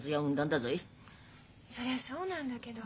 そりゃそうなんだけど。